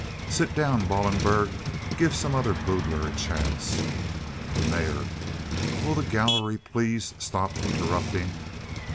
"Sit down, Ballenberg. Give some other boodler a chance." The Mayor. "Will the gallery please stop interrupting."